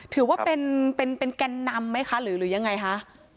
ถือว่าเป็นแกนนำไหมคะหรือยังไงคะ